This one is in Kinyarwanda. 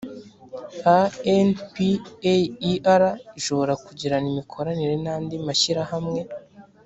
a n p a e r ishobora kugirana imikoranire n’andi mashyirahamwe